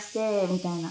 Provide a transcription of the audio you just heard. みたいな。